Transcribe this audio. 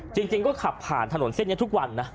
จริงก็ขับผ่านถนนเส้นนี้ทุกวันนะ